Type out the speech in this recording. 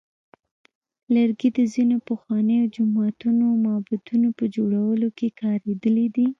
لرګي د ځینو پخوانیو جوماتونو او معبدونو په جوړولو کې کارېدلی دی.